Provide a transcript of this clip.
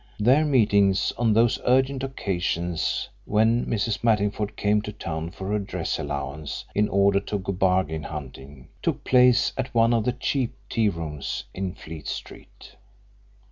Their meetings on those urgent occasions when Mrs. Mattingford came to town for her dress allowance in order to go bargain hunting took place at one of the cheap tearooms in Fleet Street.